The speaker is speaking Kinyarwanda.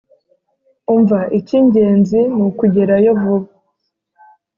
umva icyingenzi nukugerayo vuba.